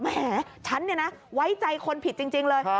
แหมฉันไว้ใจคนผิดจริงเลย